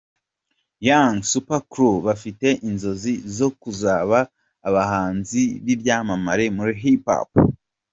Young Super Crew bafite inzozi zo kuzaba abahanzi b'ibyamamare muri Hip Hop.